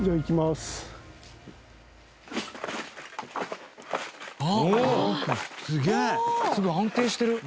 すごい安定してる。